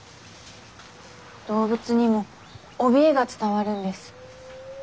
動物にもおびえが伝わるんです。